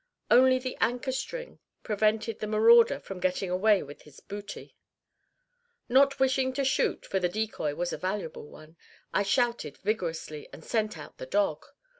Only the anchor string prevented the marauder from getting away with his booty. Not wishing to shoot, for the decoy was a valuable one, I shouted vigorously, and sent out the dog.